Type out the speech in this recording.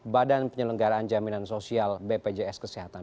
badan penyelenggaraan jaminan sosial bpjs kesehatan